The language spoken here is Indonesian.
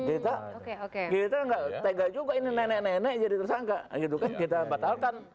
kita tidak tega juga ini nenek nenek jadi tersangka